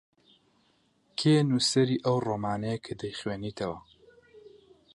کێ نووسەری ئەو ڕۆمانەیە کە دەیخوێنیتەوە؟